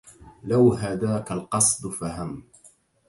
لو هداك القصد فهم